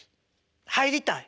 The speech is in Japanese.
入りたい？